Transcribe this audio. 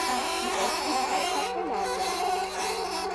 Ĝi estis alta kaj larĝa.